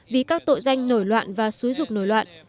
vì các tội danh nổi loạn và xúi dục nổi loạn